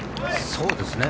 そうですね。